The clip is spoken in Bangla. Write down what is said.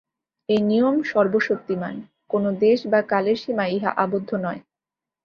এই নিয়ম সর্বশক্তিমান্, কোন দেশ বা কালের সীমায় ইহা আবদ্ধ নয়।